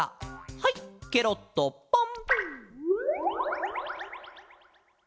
はいケロッとポン！